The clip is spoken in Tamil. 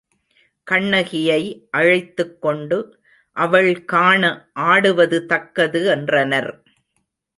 கண்ணகியை அழைத்துக் கொண்டு அவள் காண ஆடுவது தக்கது என்றனர்.